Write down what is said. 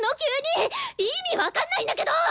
意味分かんないんだけど！